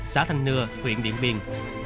xã thanh nưa huyện điện biên